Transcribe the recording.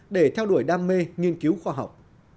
để theo đuổi đam mê nghiên cứu khoa học